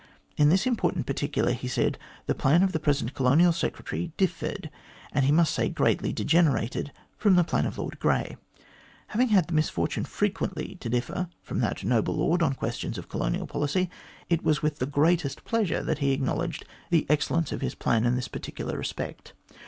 In this important particular, he said, the plan of the present Colonial Secretary differed, and he must say greatly degenerated, from the plan of Lord Grey. Having had the misfortune frequently to differ from that noble lord on questions of colonial policy, it was with the greatest pleasure that he acknowledged the excellence of his plan MR GLADSTONE'S TRUE PRINCIPLES OF COLONISATION 219 in this particular respect.